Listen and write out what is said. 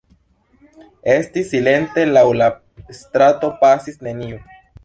Estis silente, laŭ la strato pasis neniu.